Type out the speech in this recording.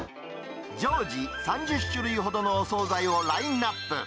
常時３０種類ほどのお総菜をラインナップ。